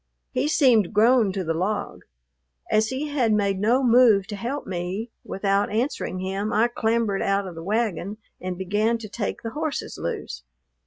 He seemed grown to the log. As he had made no move to help me, without answering him I clambered out of the wagon and began to take the horses loose.